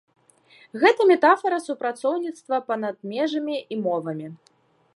Гэта метафара супрацоўніцтва па-над межамі і мовамі.